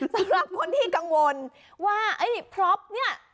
สำหรับคนที่กังวลว่าไอ้พร็อปเนี่ย